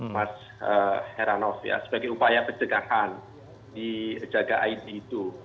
mas heranov ya sebagai upaya pencegahan di jaga it itu